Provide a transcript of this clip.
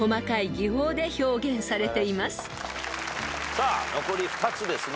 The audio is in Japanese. さあ残り２つですね。